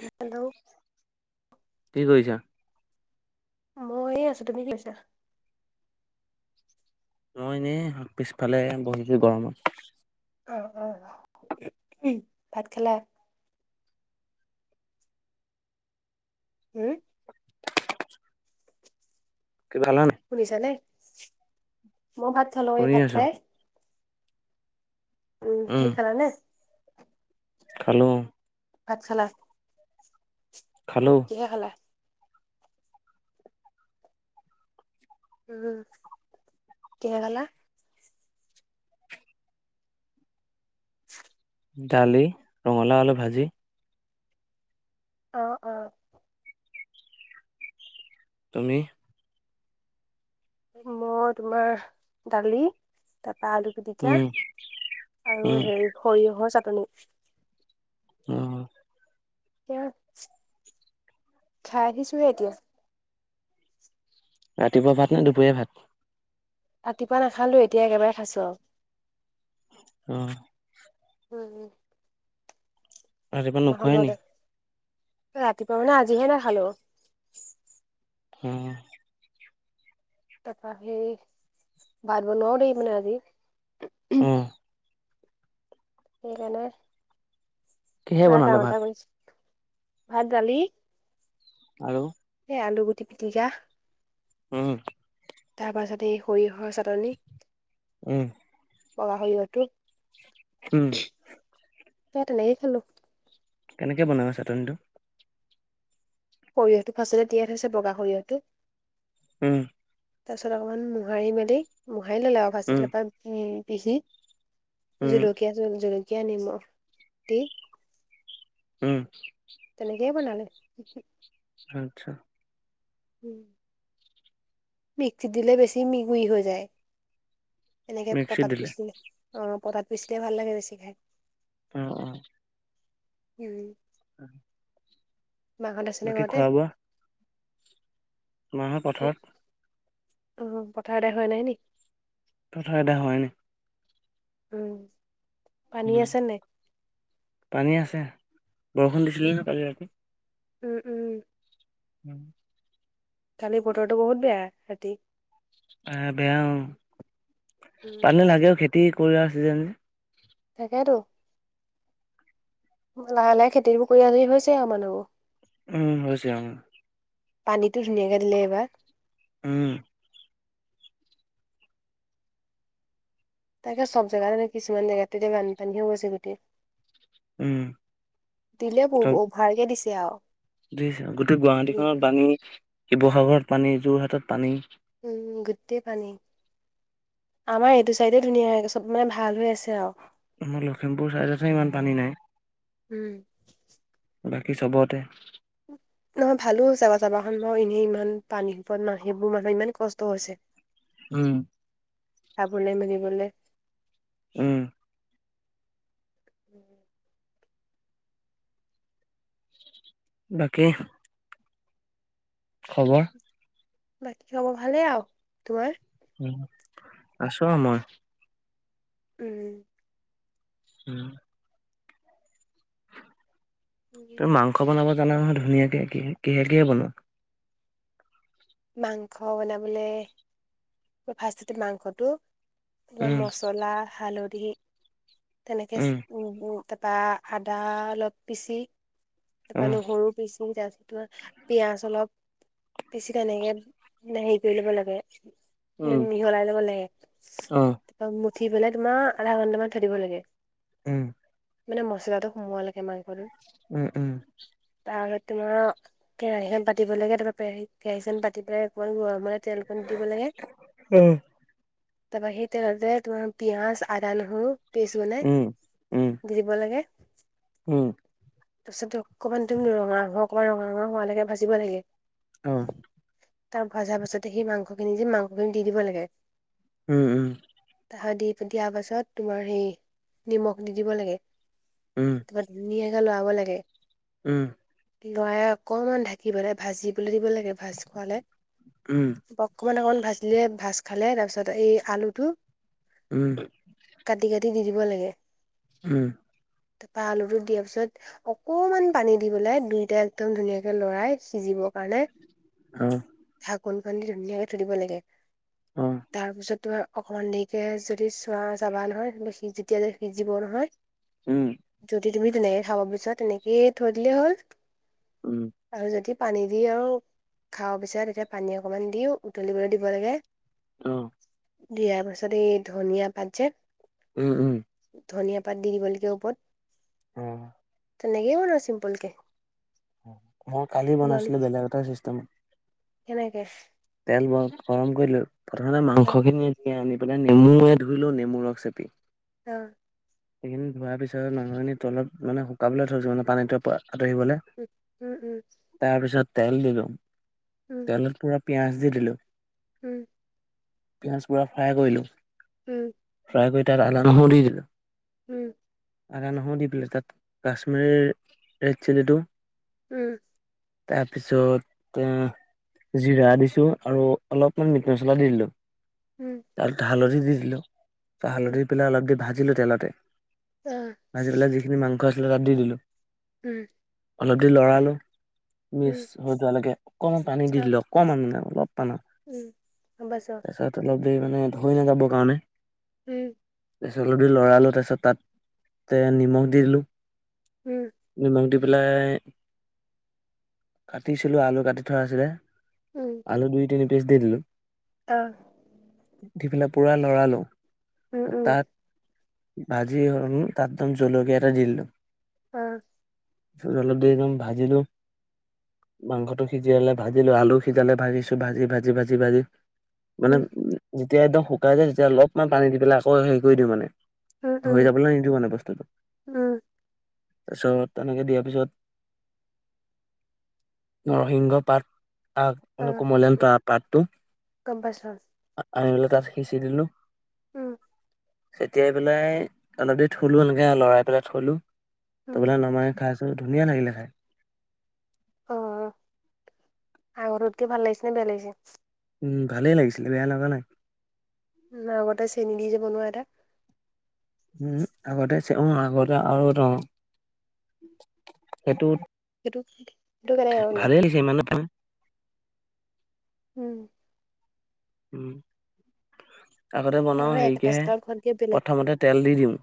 হুহ hello কি কৰিছা? ময়ে আছোঁ তুমি কি কৈছা? মই এনেই, পিছফালে বহিলোঁ গৰমত। অ' অ' অ' উ, উম ভাত খালা? উম। কি খালা নে? শুনিছা নে, মই ভাত খালোঁ এই শুই ভাত আছো। খাই উম তুমি খালা নে? খালোঁ। ভাত খালা? খালোঁ। কিহে খালা? উম, কিহে খালা? [inaudible] দালি, ৰঙালাও, আলু ভাজি। অ' অ'। তুমি? মই তোমাৰ, দালি তাৰ পা আলু। পিটিকা উম, আৰু উম, হেৰি সৰিয়হৰ চাটনি। উম। [unintelligible] খাই আহিছোঁহে এতিয়া। ৰাতিপুৱাঁ ভাত নে দুপৰীয়া ভাত? ৰাতিপুৱাঁ নাখালোঁ এতিয়া একেবাৰে খাইছোঁ আৰু। উম। উম, উম। ৰাতিপুৱা [unintelligible] এ নোখোৱাই নি? ৰাতিপুৱাঁ মানে আজিহে নাখালোঁ। উম। তাৰ পৰা হেৰী, ভাত বনোৱাও দেৰি মানে আজি। অ'। সেইকাৰণে, কিহে কিবা বনালে কাম ভাত? এটা কৰিছোঁ, ভাত দালি আৰু এই আলুগুটি পিটিকা। উম। তাৰপাছত এই সৰিয়হৰ চাটনি। উম। বগা সৰিয়াহ টোপ। উম। এ' তেনেকেই খালোঁ। কেনেকে বনালা চাটনিটোঁ? সৰিয়হটোঁ ফাষ্টতেই তিয়াই থৈছে বগা সৰিয়হটোঁ। উম। তাৰপিছত অকমান মোহাৰি মেলি, মোহাৰি ললে আৰু উম, [unintelligible] উম পিচি, উম, জলকীয়া জ', জলকীয়া নিমখ, দি। উম। তেনেকেই বনালে। আচ্ছা উম মিচ্ছিত দিলে বেছি মিহিমিহি হৈ যায়, এনেকে মিক্সিত পটাত দিলে। পিচিলো অ পটাত পিচিলে ভাল লাগে বেছি খাই। উম অহ উম। অহ মাহত আছেনে ঘৰতে। বোৱা? মাহঁত পথাৰত? [unintelligible] অ পথাৰ এদাই হোৱা নাই নি পথাৰ এদাই হোৱাই নাই উম। পানী উম, আছে নাই পানী আছে, বৰষুণ দিছিলে নে কালি ৰাতি। উম উম। উম কালি বতৰটো বহুত বেয়া ৰাতি। এ বেয়া অ, উম পানী লাগেও খেতি কৰাৰ চিজন। তাকেতো। লাহে লাহে খেতিবোৰ কৰি আজৰি হৈছে আও মানুহবোৰ। উম হৈছে আৰু। পানীটো ধুনীয়াকে দিলে এইবাৰ। উম। তাকে চব জেগাতে নে কিছুমান জেগাত এতিয়া বানপানীহে হৈছে গোটেই। উম। দিলে ত, অভাৰকে দিছে আৰু বুইছা গোটেই গুৱাহাটীখনত পানী। শিৱসাগৰত পানী, যোৰহাটত পানী। উম গোটেই পানী। আমাৰ এইটো চাইডে ধুনীয়া হৈ চব মানে ভাল হৈ আছে আও আমাৰ লখিমপুৰ ছাইডতহে ইমান পানী নাই। উম। বাকী চবতে। নহয় ভালো হৈছে চাবাখন ম এনেই ইমান পানী সিপোত মাহ সেইবোৰ মানুহৰ ইমান কষ্ট হৈছে। উম। খাবলে মেলিবলে। উম। উম। বাকী খবৰ। বাকী খবৰ ভালেই আও তোমাৰ? উ আছো আও মই। উম। উম। তুমি মাংস বনাব জানা নহয় ধুনীয়াকে কিহে কিহে বনোৱা? মাংস বনাবলে। মই ফাৰ্ষ্টতে মাংসটো তাপা উম মছলা হালধি। তেনেকে উম তাপা আদা অলপ পিচি অ তাৰপৰা নহৰু পিচি ত পিঁয়াজ অলপ বেছিলে এনেকে হেৰি কৰি ল'ব লাগে। উম মিহলাই ল'ব লব লাগে অ তাৰ মুঠি পেলাই তোমাৰ আধা ঘন্টামান থাকিব লাগে। উম। মানে মেলাটো সোমোৱালৈকে মাংখ টো। উম উম। তাগত তোমাও? কেৰাহীখন পাতিব লাগে তাৰপৰা কেহ কেৰাহীখন পাতি পেলাই অকমান গৰমৰে তেল দিব লাগে। উম। তাৰপৰা সেই তেল তোমাৰ পিয়াঁজ, আদা, নহৰু পেষ্ট বনাই। উম উম উম দি দিব লাগে। উম তাৰপিছত টৈ অকণমান তুমি ৰঙা ৰঙা হোৱা লগে ভাজিব লাগে। অ তাৰ ভজাৰ পাছতে সেই মাংসখিনি যে মাংসখিনি দি দিব লাগে। উম উম। তাহত দি দিয়া পাছত তোমাৰ সেই নিমখ দি দিব লাগে। উম তাৰপা ধুনিয়াকৈ লৰাব লাগে। উম। লয়াই অকমান ঢাকিবলৈ ভাজিবলৈ দিব লাগে ভাজ খোৱালে। উম অকণমান অকণমান ভাজিলে ভাজ খালে তাৰপিছত এই আলুটো উম। কাটি কাটি দি দিব লাগে। উম। তাপা আলুটো দিয়া পিছত অকমান পানী দিবলে দুইটা একদম ধুনীয়াকে লৰাই সিজিবৰ কাৰণে অ। ঢাকোন কণি ধুনীয়াকে থৈ দিব লাগে। অ। তাৰপিছত তোমাৰ অকমান দেৰিকে যদি চোৱা চাবা নহয় যেতিয়া যে সিজিব নহয়। উম যদি তুমি তেনেকে খাব বিচাৰা তেনেকেই থৈ দিলেই হ'ল। উম আৰু যদি পানী দি আৰু খাব বিচাৰে তেতিয়া পানী অকমান দি উতলিবলৈ দিব। দিব লাগে। অ দিয়াৰ পাছত, এই ধনিয়া পাত যে। উম', উম,। ধনিয়া পাত দি দিব লাগে ওপত। অ। তেনেকেই বনাও চিম্পল কে। মই কালি বনাইছিলো, বেলেগ এটা চিষ্টেমত। কেনেকে? তেল বৰ গৰম কৰি লৈ প্ৰথমতে অ মাংসখিনি। আনি পেলাই নেমুয়ে ধুই ল'লো, নেমুৰ ৰস চেপি। অ',। সেইখিনি ধোঁৱাৰ পিছত মাংস খিনি তলত মানে শুকাবলৈ থৈছো, পানীটো পোৱা আঁতৰিবলৈ। উম', উম, উম,। তাৰ পিছত তেল দিলো। উম',। তেলত পুৰা পিয়াঁজ দি দিলো। উম পিঁয়াজ পুৰা ফ্ৰাই কৰিলো। উম ফ্ৰাই কৰি তাত আদা, নহৰু দি দিলো। উম আদা নহৰু দি পেলাই, তাত কাশ্মীৰ ৰেড চিলিটো উম তাৰ পিছত জিৰা দিছো আৰু অলপমান মিট মছলা দি দিলো। উম তাত হালধি দি দিলো উম হালধি দি পেলাই অলপকে ভাজিলো তেলতে অ ভাজি পেলাই যিখিনি মাংস আছিলে, তাত দি দিলো। উম অলপ দেৰি লৰালো, উম মিক্স হৈ যোৱালৈকে অকণমান পানী দি দিলো। অকমান মানে অলপ পানা। উম‌ গম পাইছো। তাৰপাছত অলপ দেৰি মানে ধৰি নাযাব কাৰণে। উম তাৰছত অলপ দেৰি লৰালো, তাৰপিছত তাত নিমখ দি দিলো। উম নিমখ দি পেলাই, কাটিছিলো আলু কাটি থোৱা আছিলে। উম আলু দুই-তিনি পিচ দি দিলো। অ দি পেলাই পুৰা লৰালো। উম উম তাত ভাজি হ'ল, তাত একদম জলকীয়া এটা দি দিলো। উম পিছত অলপ দেৰি একদম ভাজিলো মাংসটো সিজালে ভাজিলো, আলু সিজালে ভাজিছো ভাজি, ভাজি, ভাজি, ভাজি মানে উম যেতিয়া একদম শুকাই যায় তেতিয়া অলপমান পানী দি পেলাই আকৌ হেৰি কৰি দিও মানে। উম উম ধৰি যাবলৈ নিদিও মানে বস্তুটো উম তাৰপিছত তেনেকে দিয়াৰ পিছত নৰসিংহ পাত, আগ মানে আহ কুমলিয়ান পাতটো। গম পাইছ। আনি পেলাই তাত সিঁচি দিলো। উম চতিয়াই পেলাই অলপ দেৰি থলো এনেকে লৰাই পেলাই থলো উম, তাৰ পেলাই নমাই খাই ধুনীয়া লাগিলে খাই। অ আগৰটোতকে ভাল লাগিছে নে বেয়া লাগিছে উম ভালেই লাগিছিলে বেয়া লগা নাই। উম, আগতে চেনি দি যে বনোৱা এটা উম আগতে চিঞৰো আগতে আৰু এটা উম সেইটোত সেইটো কি ভালে লাগিছে ইমানো উম, উম আগতে বনাও নহয় একেটা হেৰিকেহে ষ্টাইলত খোৱাতকে বেলেগ প্ৰথমতে তেল দি দিওঁ।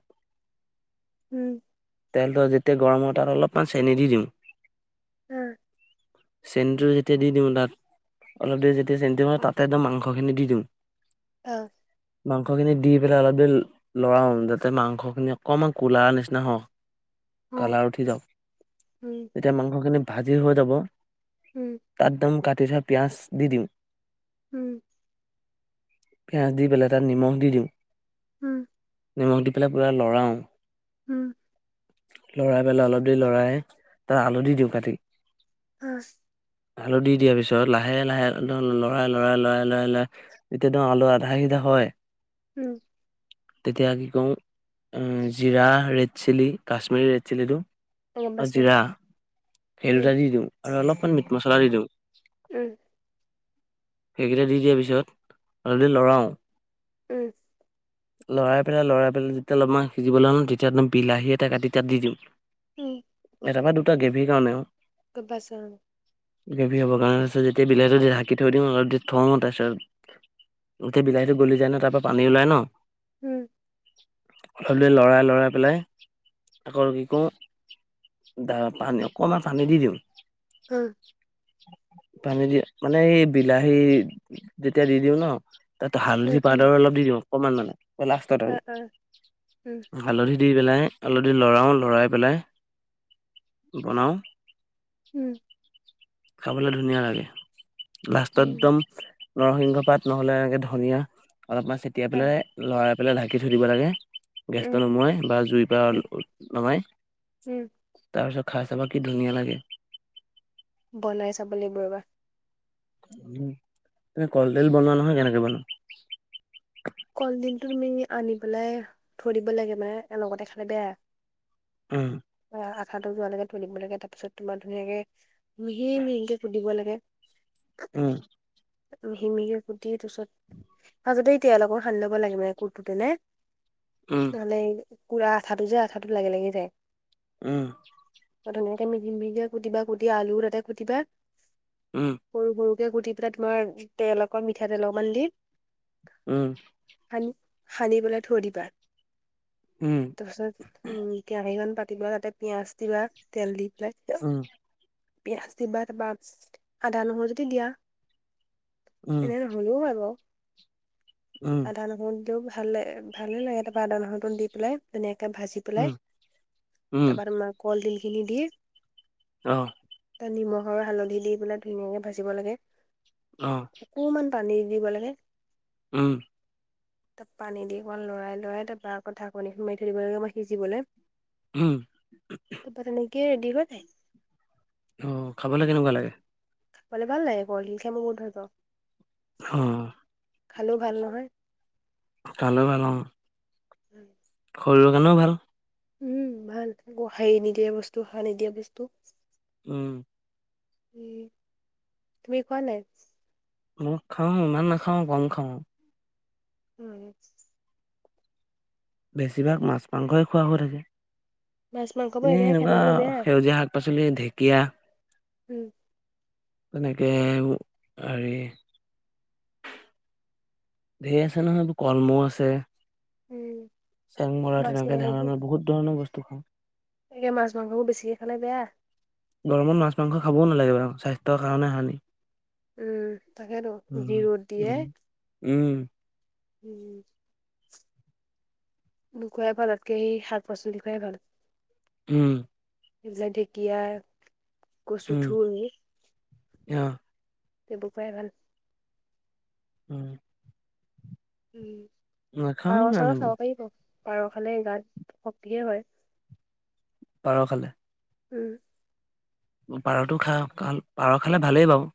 উম, তেলটো যেতিয়া গৰম হয় তাৰ অলপমান চেনি দি দিওঁ। উম, চেনিটো যেতিয়া দি দিওঁ তাত। অলপ দেৰি যেতিয়া চেনিটো হয় তাতে একদম মাংসখিনি দি দিওঁ। অ, মাংসখিনি দি পেলাই অলপ দেৰি লৰাও যাতে মাংসখিনি অকণমান কলাৰ নিচিনা হওক। অ, কালাৰ উঠি যাওক উম, তেতিয়া মাংসখিনি ভাজি হৈ যাব। উম, তাত একদম কাটি থোৱা পিয়াঁজ দি দিম। উম, পিঁয়াজ দি পেলাই তাত নিমখ দি দিম। উম, নিমখ দি পেলাই পুৰা লৰাওঁ। উম, লৰাই পেলাই অলপ দেৰি লৰাই তাত হালধি দিওঁ কাটি। উম, হালধি দিয়াৰ পিছত লাহে লাহে লৰাই লৰাই লৰাই লৰাই লৰাই তেতিয়া দিওঁ আলু আধা সিজা হয় উম, তেতিয়া কি কৰোঁ জিৰা ৰেড চিলি কাশ্মিৰী ৰেড চিলিটো। গম আৰু পাইছো জিৰা উম, হেলোদা দি দিওঁ আৰু অলপমান মিট মছলা দি দিওঁ। উম, সেইকেইটা দি দিয়াৰ পিছত অলপ দেৰি লৰাওঁ। উম, লৰাই পেলাই লৰাই পেলাই যেতিয়া অলপমান সিজিবলৈ ল'ম তেতিয়া একদম বিলাহী এটা কাটি তাত দি দিওঁ। উম, এটা বা দুটা গ্ৰেভীৰ কাৰণে আৰু [unintelligible] গ্ৰেভি হ'বৰ কাৰণে তাৰপাছত যেতিয়া বিলাহীটো দি ঢাকি থৈ দিওঁ আৰু অলপ দেৰি থওঁ তাৰপাছত যেতিয়া বিলাহীটো গলি যায় ন তাৰ পৰা পানী ওলাই ন। উম, অলপ দেৰি লৰাই লৰাই পেলাই। আকৌ কি কৰোঁ পানী অকণমান পানী দি দিওঁ। অ, পানী দি মানে এই বিলাহী যেতিয়া দি দিওঁ ন। তাত উম, হালধি উম, পাউদাৰ অলপ দি দিওঁ অকমান মানে লাষ্টত অ, আৰু অ, উম, হালধি দি পেলাই। হালধি লৰাও লৰাই পেলাই বনাওঁ। উম, খাবলৈ ধুনীয়া লাগে লাস্তত উম, একদম। নৰসিংহ পাত নহলে এনেকে ধনিয়া অলপমান ছটিয়াই অ, পেলাই লৰাই পেলাই ঢাকি থই দিব লাগে। গেছটো উম, নুমোৱাই বা জুইৰ পৰা উম, নমায় উম, তাৰপিছত খাই চাব কি ধুনীয়া লাগে। বনাই চাব লাগিব ৰবা। উ তুমি কলদিল বনোৱা নহয়, কেনেকে বনোৱা? কলডিলটো তুমি আনি পেলাই থৈ দিব লাগে মানে লগতে খালে বেয়া। উম [unintelligible] আঠাটো যোৱালৈকে থৈ দিব লাগে তাৰপিছত তোমাৰ ধুনীয়াকে মিহি মিহিকে কুটিব লাগে। উম মিহি মিহিকে কুটি তাছত আগতে তেল অকন সানি ল'ব লাগে মানে কুটোতেনে। উম মানে কুলা আঠাটো যে আঠাটো লাগি লাগি যায়। উম ধুনীয়াকে মিহি মিহি কুটিবা কুটি আলু তাতে কুটিবা উ সৰু সৰুকে কুটি পেলাই তোমাৰ তেল অকমান মিঠাতেল অকমান দি উম। সানি সানি পেলাই থৈ দিবা। উম। তাৰপিছত উম কেৰাহীখন পাতিবা, তাতে পিয়াজ দিবা তেল দি পেলাই উম। পিয়াজ দিবা তাৰপা আদা নহৰু যদি দিয়া উম এনে নহলেও হয় বাৰু, উম আধা ন গোন্ধটো ভাল ভালে লাগে তাৰপৰা আদা নাহৰুটো দি পেলাই ধুনীয়াকৈ ভাজি উম পেলাই উম, তাৰপৰা তোমাৰ কলদিলখিনি দি অ। তাত নিমখ আৰু হালধি দি পেলাই ধুনীয়াকে ভাজিব লাগে। অ। অকমান পানী দিব লাগে। উম। তাত পান দি অকমান লৰাই লৰাই তাৰপৰা আকৌ ঢাকনিখনি মাৰি থৈ দিব লাগে অকমান সিজিবলৈ। উ তাপা তেনেকে ৰেডি হৈ অ খাবলৈ কেনেকুৱা লাগে? খাবলৈ ভাল লাগে, কলদিল খাই মই বহুত ভাল পাওঁ। খালেও ভাল অ নহয় [unintelligible] উম। শৰীৰৰ কাৰণেও ভাল। উম ভাল, একো হেৰি নিদিয়া বস্তু সাৰ নিদিয়া বস্তু। উম। উ তুমি কোৱা নাই? উ খাও ইমান নাখাও কম খাও। উম। বেছিভাগ মাছ মাংসই খোৱা হৈ থাকে, মাছ মাংসবোৰ এনেই একেৰাহে খাই এনেকুৱা থাকিলে বেয়া সেউজীয়া শাক পাচলি ঢেকীয়া। উম। তেনেকে হেৰি ধে'ৰ আছে নহয়, এইবো কলমৌ আছে। উম চেং মৰা মাছ তেনেকে ধৰণৰ বহুত ধৰণৰ বস্তু খাওঁ। এ মাছ মাংসবোৰ বেছিকে খালে বেয়া। গৰমত মাছ মাংস খাবওঁ নালাগে বাৰু, স্বাস্থ্যৰ কাৰণে হানি। উম। তাকেতো, যি উম, ৰ'দ দিয়ে। উম, উম। উম। নোখোৱাই ভালতকেই শাক পাচলি খোৱাই ভাল। উম। যে ঢেকীয়া, কচু উম, থুৰ অ', সেইবো খোৱাই ভাল। উম। নাখাওঁ পাৰ ইমান চাৰ এইবোৰ খাব পাৰিব? পাৰ খালে গাত শক্তিয়ে হয়। পাৰ খালে? উম। পাৰটো খাওঁ। [unintelligible] পাৰ খালে ভালেই বাও।